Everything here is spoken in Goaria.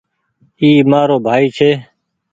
اي مآرو ڀآئي ڇي